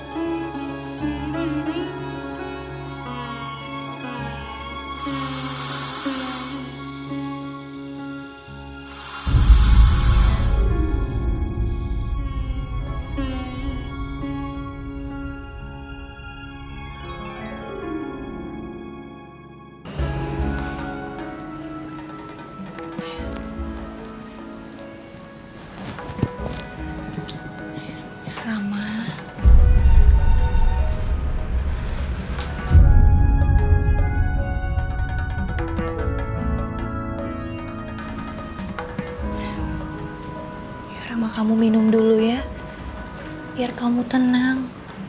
tunggu ya biar kamu tenang